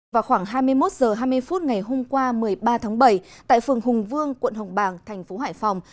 vào khoảng hai mươi một h hai mươi phút ngày hôm qua một mươi ba tháng bảy tại phường hùng vương quận hồng bàng thành phố hải phòng